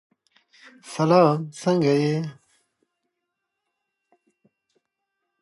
نجونې يې نه پرېښودې،